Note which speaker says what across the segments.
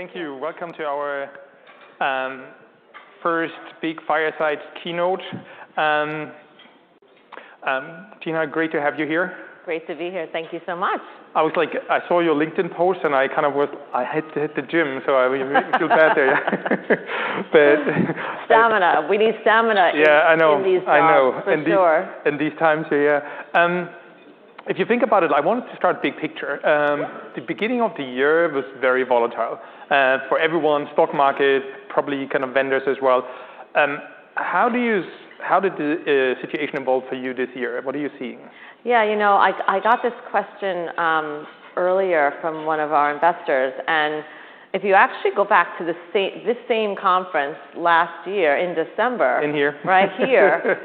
Speaker 1: Thank you. Thank you. Welcome to our first big fireside keynote. Gina, great to have you here.
Speaker 2: Great to be here. Thank you so much. I was like, I saw your LinkedIn post and I kind of was, I had to hit the gym, so I feel bad there. But. Stamina. We need stamina in these times. Yeah, I know. I know. For sure. In these times, yeah, yeah. If you think about it, I wanted to start big picture. The beginning of the year was very volatile for everyone, stock market, probably kind of vendors as well. How did the situation evolve for you this year? What are you seeing? Yeah, you know, I got this question earlier from one of our investors, and if you actually go back to the same, this same conference last year in December. In here. Right here.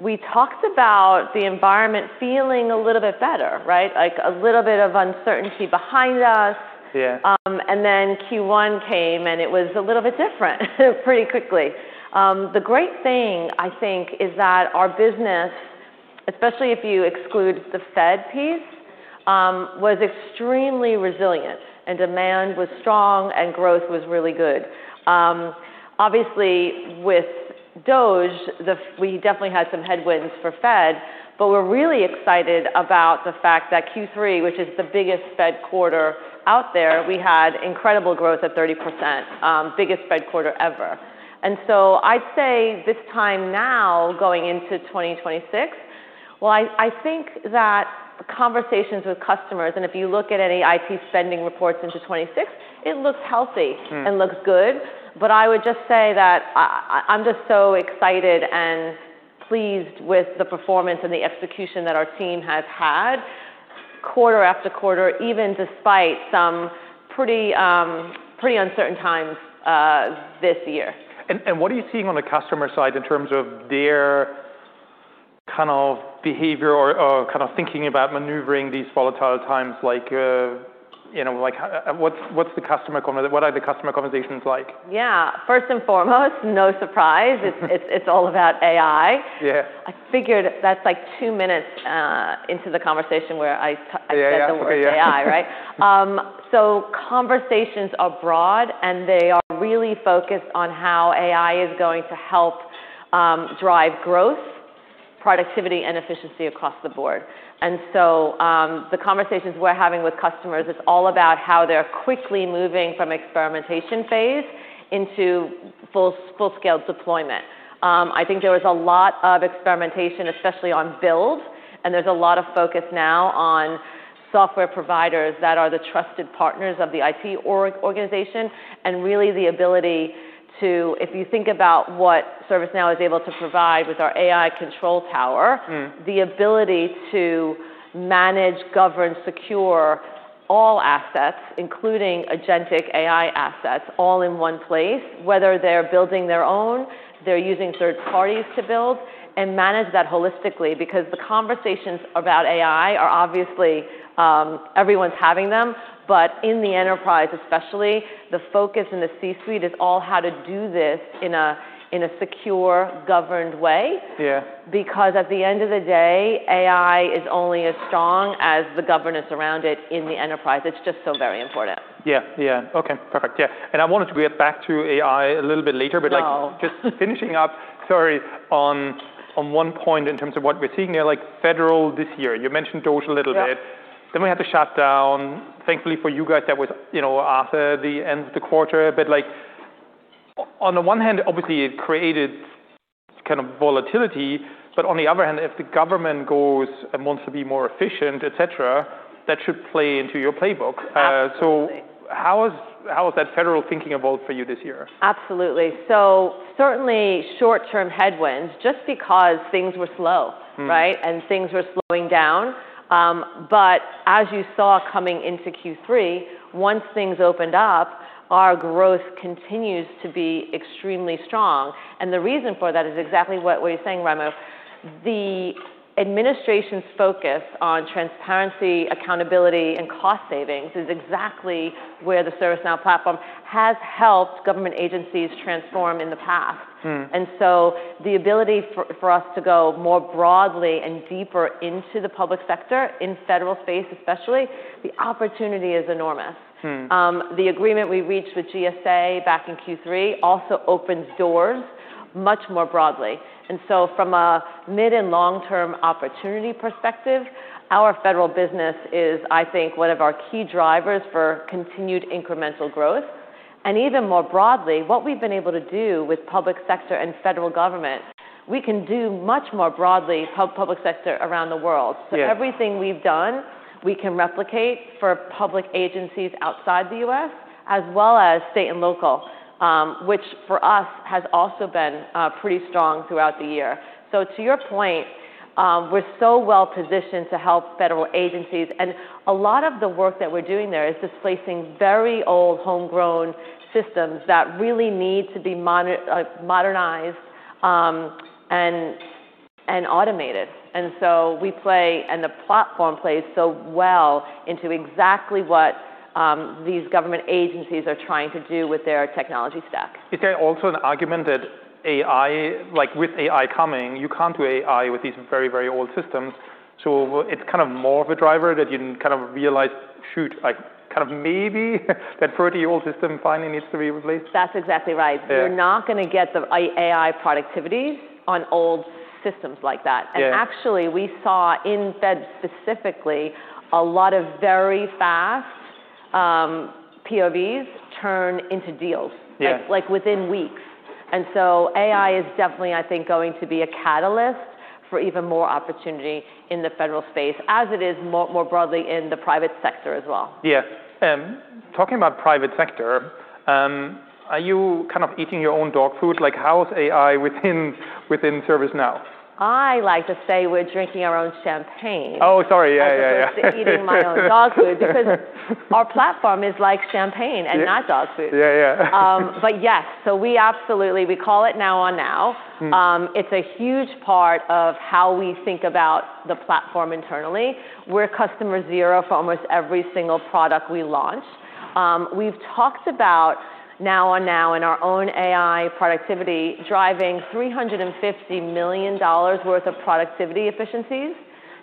Speaker 2: We talked about the environment feeling a little bit better, right? Like a little bit of uncertainty behind us. Yeah. And then Q1 came and it was a little bit different pretty quickly. The great thing I think is that our business, especially if you exclude the Fed piece, was extremely resilient and demand was strong and growth was really good. Obviously with DOGE, we definitely had some headwinds for Fed, but we're really excited about the fact that Q3, which is the biggest Fed quarter out there, we had incredible growth at 30%, biggest Fed quarter ever. And so I'd say this time now going into 2026. Well, I think that conversations with customers, and if you look at any IT spending reports into 2026, it looks healthy and looks good. But I would just say that I, I'm just so excited and pleased with the performance and the execution that our team has had quarter after quarter, even despite some pretty uncertain times, this year. What are you seeing on the customer side in terms of their kind of behavior or kind of thinking about maneuvering these volatile times? Like, you know, what are the customer conversations like? Yeah. First and foremost, no surprise. It's all about AI. Yeah. I figured that's like two minutes into the conversation where I said the word AI, right? Yeah. So, conversations are broad, and they are really focused on how AI is going to help, drive growth, productivity, and efficiency across the board. And so, the conversations we're having with customers is all about how they're quickly moving from experimentation phase into full-scale deployment. I think there was a lot of experimentation, especially on build, and there's a lot of focus now on software providers that are the trusted partners of the IT organization and really the ability to, if you think about what ServiceNow is able to provide with our AI Control Tower. Mm-hmm. The ability to manage, govern, secure all assets, including agentic AI assets, all in one place, whether they're building their own, they're using third parties to build and manage that holistically. Because the conversations about AI are obviously, everyone's having them, but in the enterprise especially, the focus in the C-suite is all how to do this in a secure, governed way. Yeah. Because at the end of the day, AI is only as strong as the governance around it in the enterprise. It's just so very important. Yeah. Yeah. Okay. Perfect. Yeah. And I wanted to get back to AI a little bit later, but like. Oh. Just finishing up, sorry, on one point in terms of what we're seeing here, like federal this year, you mentioned DOGE a little bit. Yeah. Then we had the shutdown. Thankfully for you guys, that was, you know, after the end of the quarter. But like on the one hand, obviously it created kind of volatility, but on the other hand, if the government goes and wants to be more efficient, et cetera, that should play into your playbook. Absolutely. How has that federal thinking evolved for you this year? Absolutely. So certainly short-term headwinds just because things were slow, right? Mm-hmm. Things were slowing down. But as you saw coming into Q3, once things opened up, our growth continues to be extremely strong. And the reason for that is exactly what you're saying, Raimo. The administration's focus on transparency, accountability, and cost savings is exactly where the ServiceNow Platform has helped government agencies transform in the past. Mm-hmm. And so the ability for us to go more broadly and deeper into the public sector in federal space, especially, the opportunity is enormous. Mm-hmm. The agreement we reached with GSA back in Q3 also opens doors much more broadly. And so from a mid and long-term opportunity perspective, our federal business is, I think, one of our key drivers for continued incremental growth. And even more broadly, what we've been able to do with public sector and federal government, we can do much more broadly, public sector around the world. Yeah. Everything we've done, we can replicate for public agencies outside the U.S., as well as state and local, which for us has also been pretty strong throughout the year. To your point, we're so well positioned to help federal agencies. A lot of the work that we're doing there is displacing very old homegrown systems that really need to be modernized and automated. We play, and the platform plays so well into exactly what these government agencies are trying to do with their technology stack. Is there also an argument that AI, like with AI coming, you can't do AI with these very, very old systems? So it's kind of more of a driver that you kind of realize, shoot, I kind of maybe that 30-year-old system finally needs to be replaced? That's exactly right. Yeah. You're not gonna get the AI productivities on old systems like that. Yeah. Actually, we saw in Fed specifically a lot of very fast POVs turn into deals. Yeah. Like within weeks. And so AI is definitely, I think, going to be a catalyst for even more opportunity in the federal space, as it is more broadly in the private sector as well. Yeah, talking about private sector, are you kind of eating your own dog food? Like, how's AI within ServiceNow? I like to say we're drinking our own champagne. Oh, sorry. Yeah, yeah, yeah. Eating my own dog food because our platform is like champagne and not dog food. Yeah. Yeah. But yes. So we absolutely, we call it Now on Now. Mm-hmm. It's a huge part of how we think about the platform internally. We're Customer Zero for almost every single product we launch. We've talked about Now on Now and our own AI productivity driving $350 million worth of productivity efficiencies.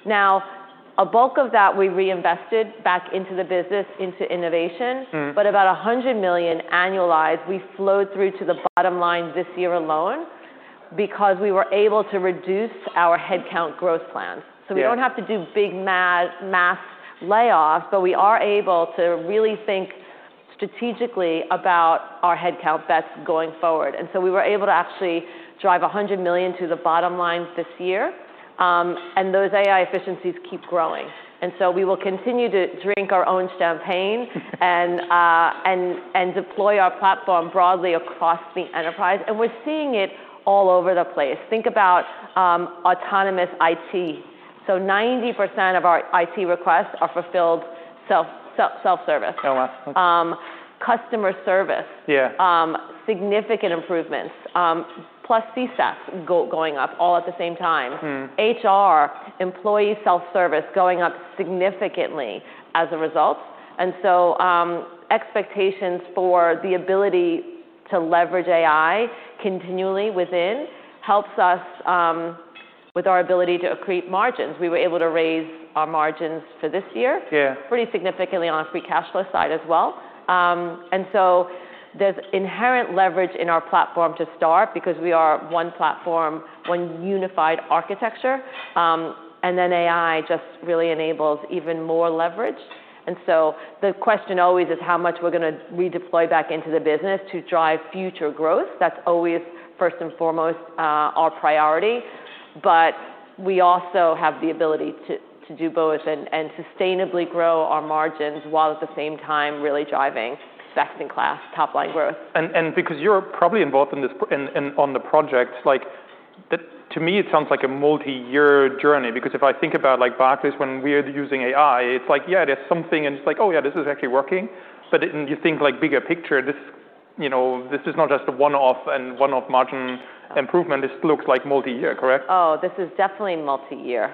Speaker 2: Now, a bulk of that we reinvested back into the business, into innovation. Mm-hmm. But about $100 million annualized, we flowed through to the bottom line this year alone because we were able to reduce our headcount growth plans. Yeah. So we don't have to do big mass layoffs, but we are able to really think strategically about our headcount bets going forward. And so we were able to actually drive $100 million to the bottom line this year. And those AI efficiencies keep growing. And so we will continue to drink our own champagne and deploy our platform broadly across the enterprise. And we're seeing it all over the place. Think about autonomous IT. So 90% of our IT requests are fulfilled self-service. Oh, wow. Okay. Customer Service. Yeah. Significant improvements, plus CSATs going up all at the same time. Mm-hmm. HR employee self-service going up significantly as a result. And so, expectations for the ability to leverage AI continually within helps us with our ability to accrete margins. We were able to raise our margins for this year. Yeah. Pretty significantly on a free cash flow side as well. And so there's inherent leverage in our platform to start because we are one platform, one unified architecture. And then AI just really enables even more leverage. And so the question always is how much we're gonna redeploy back into the business to drive future growth. That's always first and foremost, our priority. But we also have the ability to do both and sustainably grow our margins while at the same time really driving best in class top line growth. Because you're probably involved in this, in on the project, like that to me it sounds like a multi-year journey. Because if I think about like backwards when we are using AI, it's like, yeah, there's something and it's like, oh yeah, this is actually working. But if you think like bigger picture, this, you know, this is not just a one-off margin improvement. This looks like multi-year, correct? Oh, this is definitely multi-year.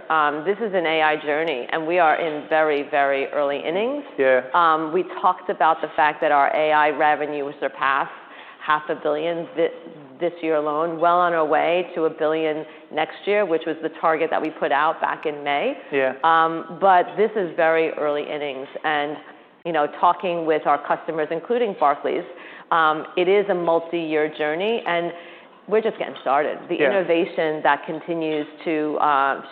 Speaker 2: This is an AI journey and we are in very, very early innings. Yeah. We talked about the fact that our AI revenue surpassed $500 million this year alone, well on our way to $1 billion next year, which was the target that we put out back in May. Yeah. But this is very early innings. And, you know, talking with our customers, including Barclays, it is a multi-year journey and we're just getting started. Yeah. The innovation that continues to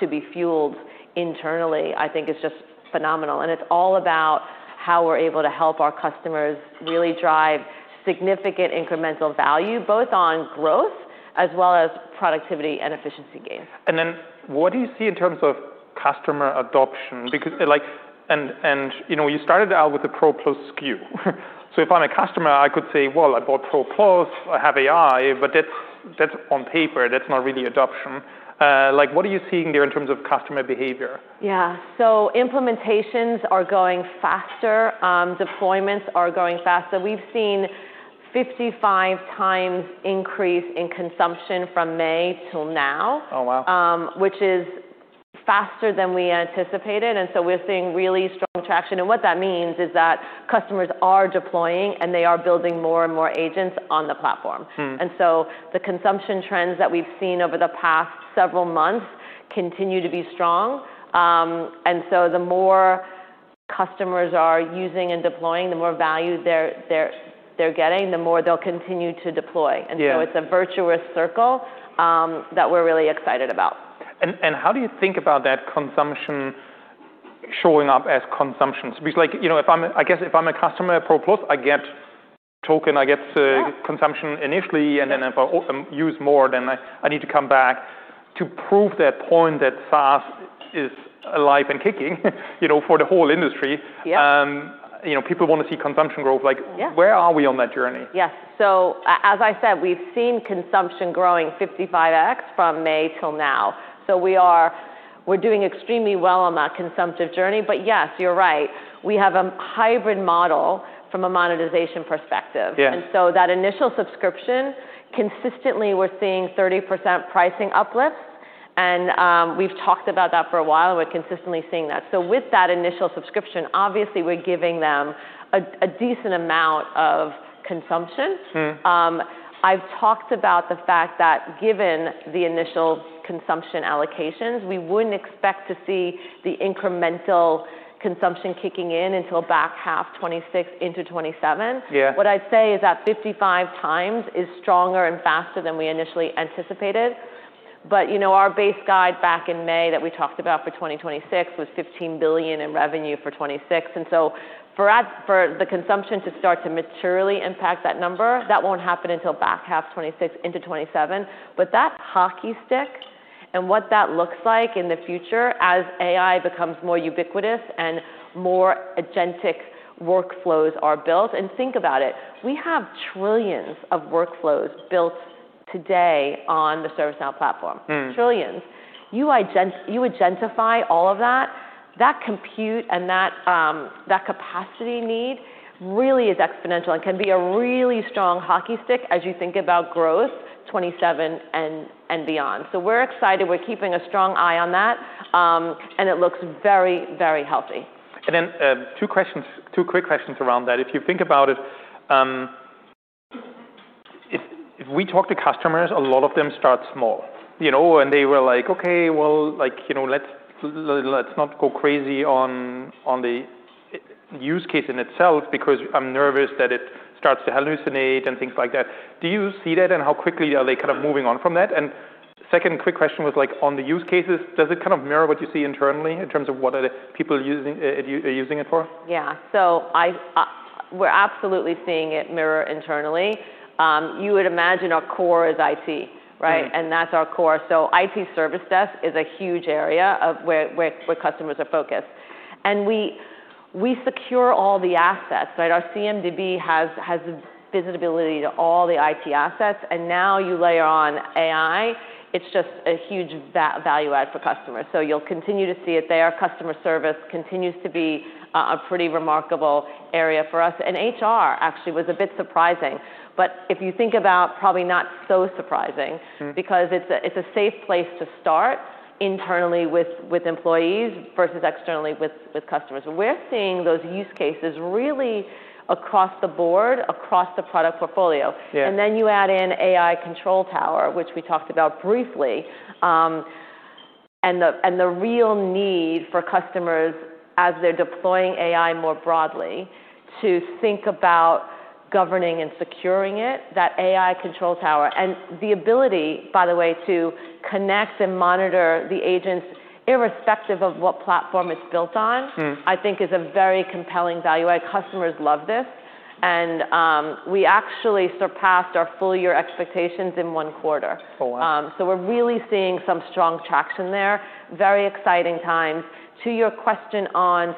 Speaker 2: be fueled internally, I think is just phenomenal. And it's all about how we're able to help our customers really drive significant incremental value, both on growth as well as productivity and efficiency gains. And then what do you see in terms of customer adoption? Because, like, and you know, you started out with the Pro Plus SKU. So if I'm a customer, I could say, well, I bought Pro Plus, I have AI, but that's on paper. That's not really adoption. Like, what are you seeing there in terms of customer behavior? Yeah. So implementations are going faster. Deployments are going faster. We've seen 55 times increase in consumption from May till now. Oh, wow. Which is faster than we anticipated. And so we're seeing really strong traction. And what that means is that customers are deploying and they are building more and more agents on the platform. Mm-hmm. And so the consumption trends that we've seen over the past several months continue to be strong. And so the more customers are using and deploying, the more value they're getting, the more they'll continue to deploy. Yeah. And so it's a virtuous circle, that we're really excited about. How do you think about that consumption showing up as consumption? Because, like, you know, if I'm, I guess, a customer Pro Plus, I get token, I get to consumption initially. Yeah. And then if I use more, then I need to come back to prove that point that SaaS is alive and kicking, you know, for the whole industry. Yeah. You know, people wanna see consumption growth. Like. Yeah. Where are we on that journey? Yes. So as I said, we've seen consumption growing 55X from May till now. So we are, we're doing extremely well on that consumptive journey. But yes, you're right. We have a hybrid model from a monetization perspective. Yeah. And so that initial subscription, consistently we're seeing 30% pricing uplifts. And we've talked about that for a while. We're consistently seeing that. So with that initial subscription, obviously we're giving them a decent amount of consumption. Mm-hmm. I've talked about the fact that given the initial consumption allocations, we wouldn't expect to see the incremental consumption kicking in until back half 2026 into 2027. Yeah. What I'd say is that 55 times is stronger and faster than we initially anticipated. But you know, our base guide back in May that we talked about for 2026 was $15 billion in revenue for 2026. And so for the consumption to start to materially impact that number, that won't happen until back half 2026 into 2027. But that hockey stick and what that looks like in the future as AI becomes more ubiquitous and more agentic workflows are built, and think about it, we have trillions of workflows built today on the ServiceNow platform. Mm-hmm. Trillions. You identify all of that compute and that capacity need really is exponential and can be a really strong hockey stick as you think about growth 2027 and beyond. So we're excited. We're keeping a strong eye on that, and it looks very, very healthy. Then, two questions, two quick questions around that. If you think about it, if we talk to customers, a lot of them start small, you know, and they were like, okay, well, like, you know, let's not go crazy on the use case in itself because I'm nervous that it starts to hallucinate and things like that. Do you see that? How quickly are they kind of moving on from that? Second quick question was like on the use cases, does it kind of mirror what you see internally in terms of what are the people using it for? Yeah. So we're absolutely seeing it mirror internally. You would imagine our core is IT, right? Mm-hmm. That's our core. IT service desk is a huge area where customers are focused. We secure all the assets, right? Our CMDB has the visibility to all the IT assets. Now you layer on AI, it's just a huge value add for customers. You'll continue to see it there. Customer service continues to be a pretty remarkable area for us. HR actually was a bit surprising, but if you think about probably not so surprising. Mm-hmm. Because it's a safe place to start internally with employees versus externally with customers. But we're seeing those use cases really across the board, across the product portfolio. Yeah. Then you add in AI Control Tower, which we talked about briefly, and the real need for customers as they're deploying AI more broadly to think about governing and securing it, that AI Control Tower and the ability, by the way, to connect and monitor the agents irrespective of what platform it's built on. Mm-hmm. I think is a very compelling value. Our customers love this, and we actually surpassed our full year expectations in one quarter. Oh, wow. So we're really seeing some strong traction there. Very exciting times. To your question on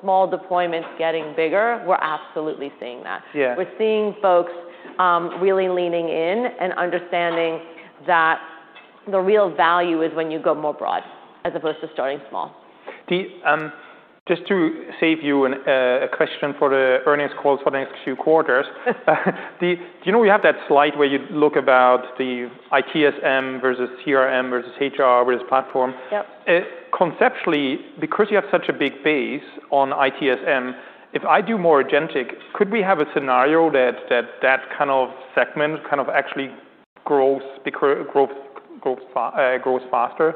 Speaker 2: small deployments getting bigger, we're absolutely seeing that. Yeah. We're seeing folks, really leaning in and understanding that the real value is when you go more broad as opposed to starting small. Just to save you a question for the earnings calls for the next few quarters, do you know you have that slide where you look at the ITSM versus CRM versus HR versus platform? Yep. Conceptually, because you have such a big base on ITSM, if I do more agentic, could we have a scenario that that kind of segment actually grows because growth grows faster,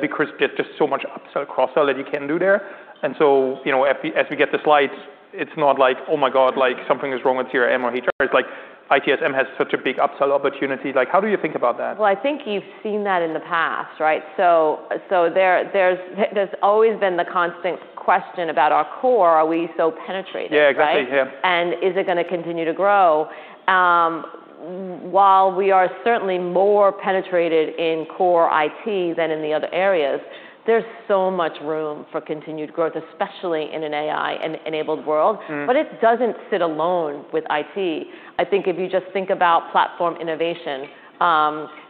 Speaker 2: because there's just so much upsell cross-sell that you can do there. And so, you know, as we get the slides, it's not like, oh my God, like something is wrong with CRM or HR. It's like ITSM has such a big upsell opportunity. Like how do you think about that? I think you've seen that in the past, right? So, there’s always been the constant question about our core. Are we so penetrating? Yeah, exactly. Yeah. Is it gonna continue to grow? While we are certainly more penetrated in core IT than in the other areas, there's so much room for continued growth, especially in an AI-enabled world. Mm-hmm. But it doesn't sit alone with IT. I think if you just think about platform innovation,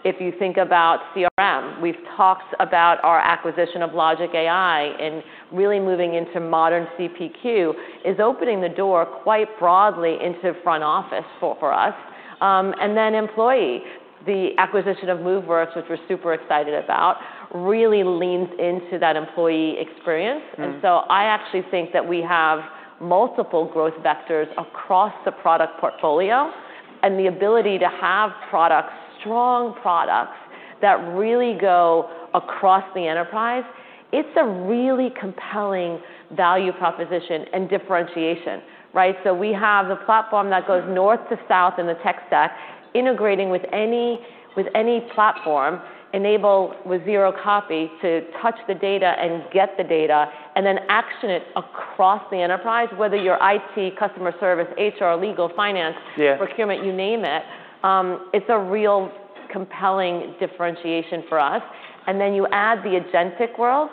Speaker 2: if you think about CRM, we've talked about our acquisition of Logik.io and really moving into modern CPQ is opening the door quite broadly into front office for us. And then employee, the acquisition of Moveworks, which we're super excited about, really leans into that employee experience. Mm-hmm. I actually think that we have multiple growth vectors across the product portfolio and the ability to have products, strong products that really go across the enterprise. It's a really compelling value proposition and differentiation, right? We have the platform that goes north to south in the tech stack, integrating with any platform, enabled with Zero Copy to touch the data and get the data and then action it across the enterprise, whether you're IT, Customer Service, HR, legal, finance. Yeah. Procurement, you name it. It's a real compelling differentiation for us. And then you add the agentic world.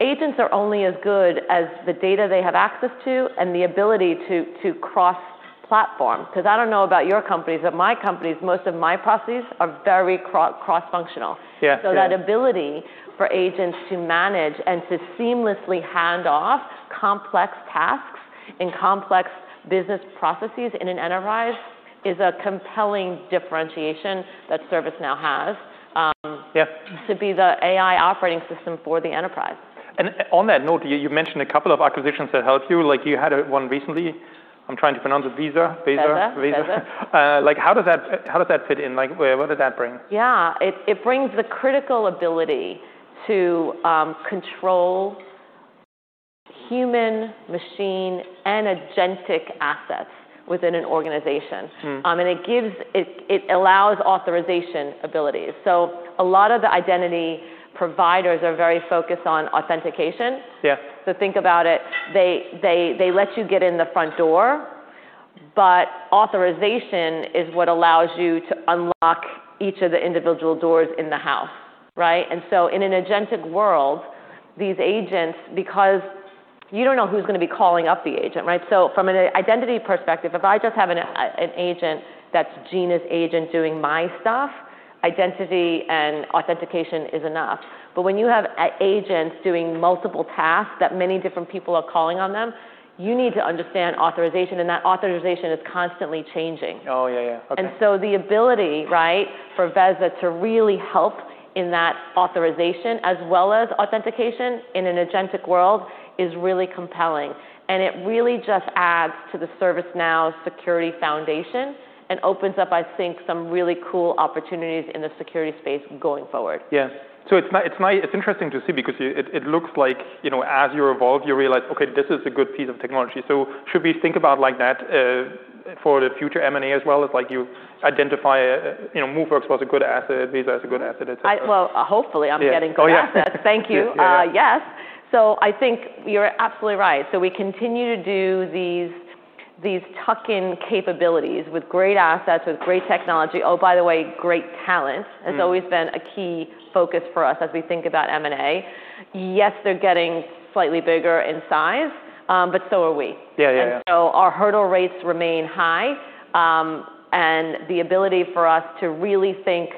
Speaker 2: Agents are only as good as the data they have access to and the ability to cross-platform. 'Cause I don't know about your companies, but my companies, most of my processes are very cross-functional. Yeah. So that ability for agents to manage and to seamlessly hand off complex tasks and complex business processes in an enterprise is a compelling differentiation that ServiceNow has. Yeah. to be the AI operating system for the enterprise. And on that note, you mentioned a couple of acquisitions that helped you. Like you had one recently. I'm trying to pronounce it, Veza, Veza? Veza. Veza. Like, how does that, how does that fit in? Like, where, where did that bring? Yeah. It brings the critical ability to control human, machine, and agentic assets within an organization. Mm-hmm. And it gives, it allows authorization abilities. So a lot of the identity providers are very focused on authentication. Yeah. Think about it. They let you get in the front door, but authorization is what allows you to unlock each of the individual doors in the house, right? And so in an agentic world, these agents, because you don't know who's gonna be calling up the agent, right? So from an identity perspective, if I just have an agent that's Gina's agent doing my stuff, identity and authentication is enough. But when you have agents doing multiple tasks that many different people are calling on them, you need to understand authorization and that authorization is constantly changing. Oh, yeah, yeah. Okay. So the ability, right, for Veza to really help in that authorization as well as authentication in an agentic world is really compelling. It really just adds to the ServiceNow security foundation and opens up, I think, some really cool opportunities in the security space going forward. Yeah. So it's interesting to see because it looks like, you know, as you evolve, you realize, okay, this is a good piece of technology. So should we think about like that, for the future M&A as well as like you identify, you know, Moveworks was a good asset, Veza is a good asset, et cetera? I, well, hopefully I'm getting good assets. Oh, yeah. Thank you. Yes. So I think you're absolutely right. So we continue to do these, these tuck-in capabilities with great assets, with great technology. Oh, by the way, great talent has always been a key focus for us as we think about M&A. Yes, they're getting slightly bigger in size, but so are we. Yeah, yeah, yeah. And so our hurdle rates remain high. And the ability for us to really think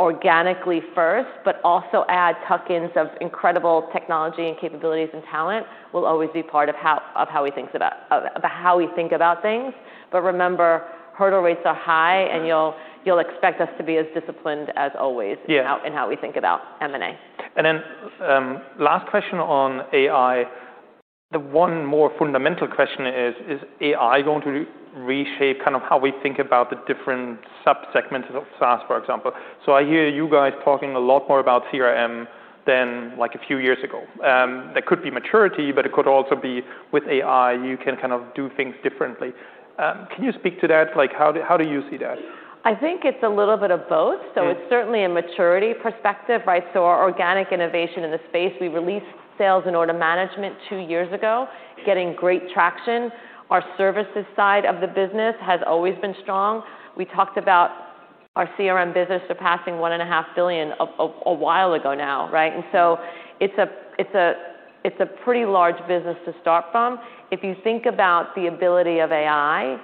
Speaker 2: organically first, but also add tuck-ins of incredible technology and capabilities and talent will always be part of how we think about things. But remember, hurdle rates are high and you'll expect us to be as disciplined as always. Yeah. In how we think about M&A. And then, last question on AI. The one more fundamental question is, is AI going to reshape kind of how we think about the different subsegments of SaaS, for example? So I hear you guys talking a lot more about CRM than like a few years ago. There could be maturity, but it could also be with AI, you can kind of do things differently. Can you speak to that? Like how do, how do you see that? I think it's a little bit of both. Yeah. It's certainly a maturity perspective, right? Our organic innovation in the space, we released Sales and Order Management two years ago, getting great traction. Our services side of the business has always been strong. We talked about our CRM business surpassing $1.5 billion a while ago now, right? And so it's a pretty large business to start from. If you think about the ability of AI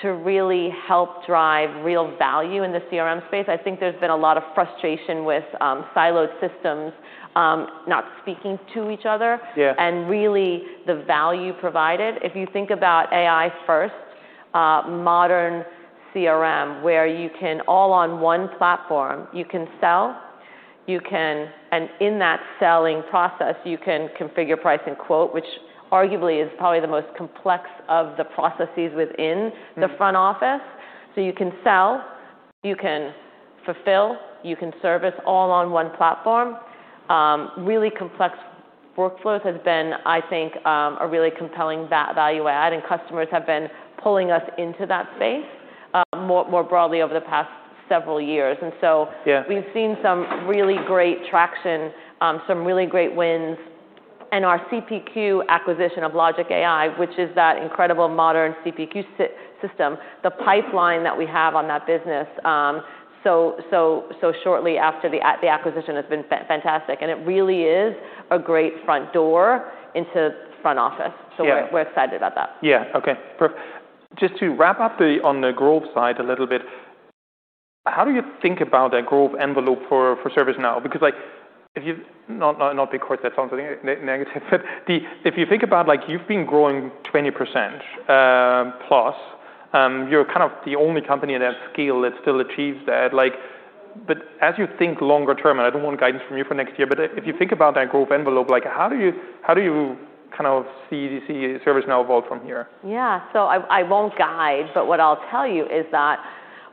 Speaker 2: to really help drive real value in the CRM space, I think there's been a lot of frustration with siloed systems not speaking to each other. Yeah. Really the value provided. If you think about AI first, modern CRM where you can do all on one platform, you can sell, you can, and in that selling process, you can configure price and quote, which arguably is probably the most complex of the processes within the front office, so you can sell, you can fulfill, you can service all on one platform. Really complex workflows has been, I think, a really compelling value add and customers have been pulling us into that space, more broadly over the past several years, and so. Yeah. We've seen some really great traction, some really great wins. And our CPQ acquisition of Logik.io, which is that incredible modern CPQ system, the pipeline that we have on that business, so shortly after the acquisition has been fantastic. And it really is a great front door into front office. Yeah. So we're excited about that. Yeah. Okay. Perfect. Just to wrap up the, on the growth side a little bit, how do you think about that growth envelope for, for ServiceNow? Because like if you, not, not, not because that sounds negative, but the, if you think about like you've been growing 20%, plus, you're kind of the only company at that scale that still achieves that. Like, but as you think longer term, and I don't want guidance from you for next year, but if you think about that growth envelope, like how do you, how do you kind of see, see ServiceNow evolve from here? Yeah. So I won't guide, but what I'll tell you is that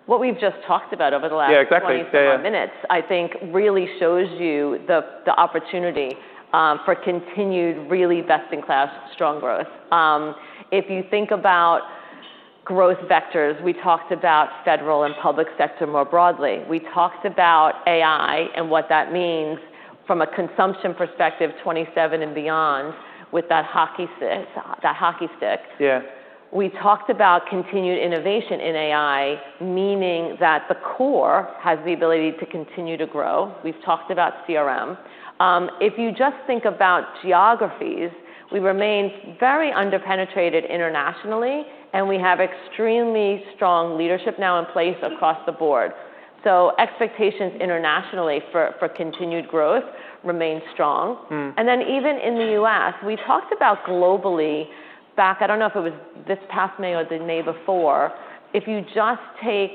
Speaker 2: what we've just talked about over the last 25. Yeah, exactly. Yeah. Momentum, I think, really shows you the opportunity for continued really best-in-class strong growth. If you think about growth vectors, we talked about federal and public sector more broadly. We talked about AI and what that means from a consumption perspective, 2027 and beyond with that hockey stick. Yeah. We talked about continued innovation in AI, meaning that the core has the ability to continue to grow. We've talked about CRM. If you just think about geographies, we remain very under-penetrated internationally and we have extremely strong leadership now in place across the board. So expectations internationally for continued growth remain strong. Mm-hmm. Even in the U.S., we talked about globally, back. I don't know if it was this past May or the May before. If you just take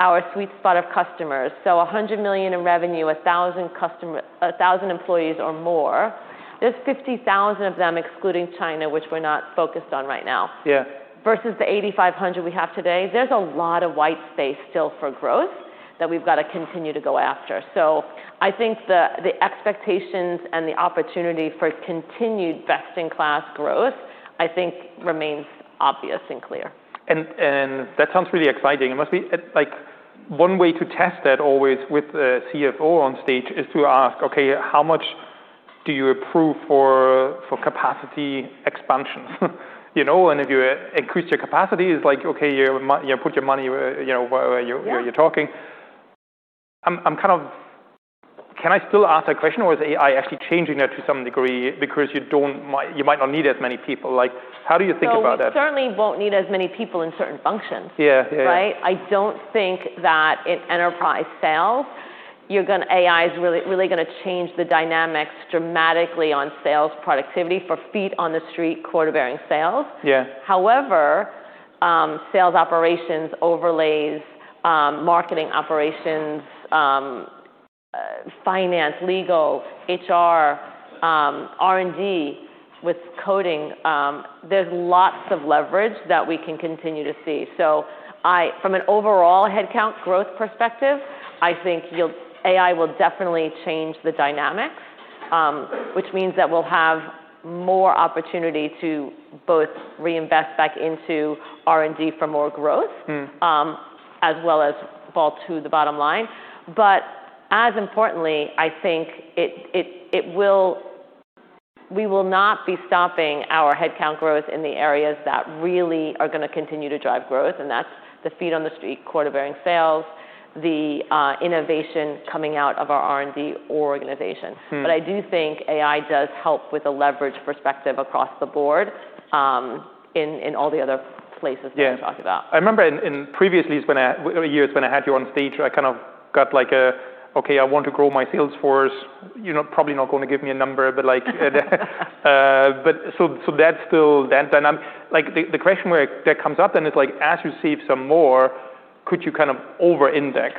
Speaker 2: our sweet spot of customers, so $100 million in revenue, 1,000 customers, 1,000 employees or more, there's 50,000 of them excluding China, which we're not focused on right now. Yeah. Versus the 8,500 we have today, there's a lot of white space still for growth that we've gotta continue to go after. So I think the expectations and the opportunity for continued best-in-class growth, I think remains obvious and clear. That sounds really exciting. It must be like one way to test that always with the CFO on stage is to ask, okay, how much do you approve for capacity expansion? You know, and if you increase your capacity, it's like, okay, you put your money, you know, wherever you're talking. I'm kind of, can I still ask that question or is AI actually changing that to some degree because you might not need as many people? Like how do you think about that? You certainly won't need as many people in certain functions. Yeah, yeah, yeah. Right? I don't think that in enterprise sales, you're gonna, AI's really, really gonna change the dynamics dramatically on sales productivity for feet on the street, quota-bearing sales. Yeah. However, sales operations overlays, marketing operations, finance, legal, HR, R&D with coding, there's lots of leverage that we can continue to see. So I, from an overall headcount growth perspective, I think you'll, AI will definitely change the dynamics, which means that we'll have more opportunity to both reinvest back into R&D for more growth. Mm-hmm. As well as add to the bottom line. But as importantly, I think it will, we will not be stopping our headcount growth in the areas that really are gonna continue to drive growth. And that's the feet on the street, quota-bearing sales, innovation coming out of our R&D organization. Mm-hmm. But I do think AI does help with a leverage perspective across the board, in all the other places that we talked about. Yeah. I remember in previous years when I had you on stage. I kind of got like a, okay, I want to grow my sales force. You're probably not gonna give me a number, but so that's still that dynamic. Like the question where that comes up then is like, as you save some more, could you kind of over-index,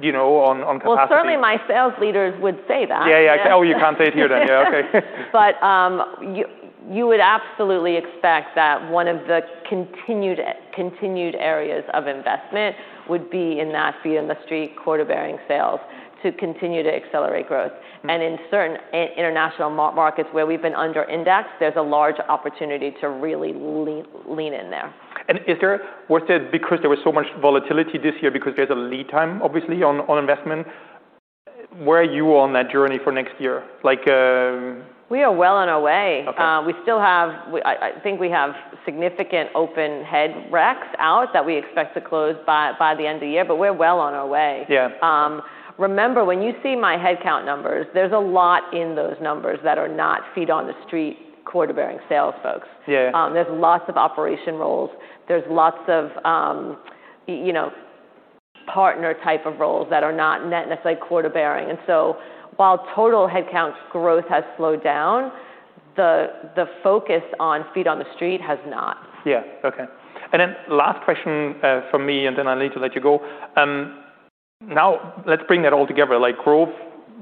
Speaker 2: you know, on capacity? Certainly my sales leaders would say that. Yeah, yeah. Oh, you can't say it here then. Yeah. Okay. You would absolutely expect that one of the continued areas of investment would be in that feet on the street, quota bearing sales to continue to accelerate growth. In certain international markets where we've been under-indexed, there's a large opportunity to really lean in there. Is it worth it because there was so much volatility this year because there's a lead time, obviously, on investment? Where are you on that journey for next year? Like, We are well on our way. Okay. We still have. I think we have significant open headroom that we expect to close by the end of the year, but we're well on our way. Yeah. Remember when you see my headcount numbers, there's a lot in those numbers that are not feet on the street, quota-bearing sales folks. Yeah. There's lots of operations roles. There's lots of, you know, partner type of roles that are not necessarily quarter-bearing. And so while total headcount growth has slowed down, the focus on feet on the street has not. Yeah. Okay. And then last question, from me, and then I need to let you go. Now let's bring that all together. Like growth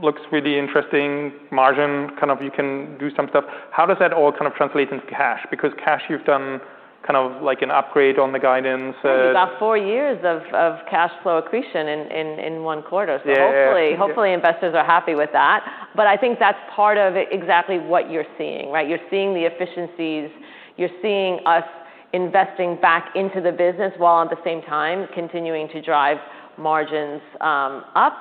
Speaker 2: looks really interesting, margin kind of, you can do some stuff. How does that all kind of translate into cash? Because cash, you've done kind of like an upgrade on the guidance, We've got four years of cash flow accretion in one quarter. Yeah. So hopefully, hopefully investors are happy with that. But I think that's part of exactly what you're seeing, right? You're seeing the efficiencies, you're seeing us investing back into the business while at the same time continuing to drive margins up.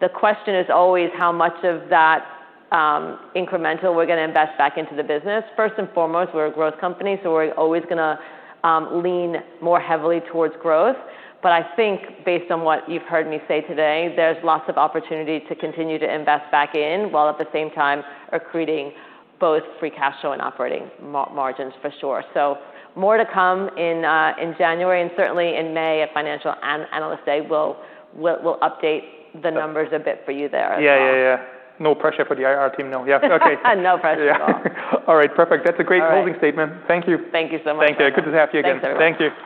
Speaker 2: The question is always how much of that incremental we're gonna invest back into the business. First and foremost, we're a growth company, so we're always gonna lean more heavily towards growth. But I think based on what you've heard me say today, there's lots of opportunity to continue to invest back in while at the same time accreting both free cash flow and operating margins for sure. So more to come in January and certainly in May at Financial Analyst Day. We'll update the numbers a bit for you there. Yeah, yeah, yeah. No pressure for the IR team. No. Yeah. Okay. No pressure at all. All right. Perfect. That's a great closing statement. Thank you. Thank you so much. Thank you. Good to have you again. Thank you. Thank you.